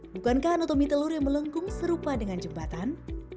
bukankah anotomi telur yang melengkung serupa dengan jembatan